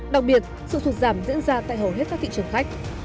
đặc biệt sự sụt giảm diễn ra tại hầu hết các thị trường khách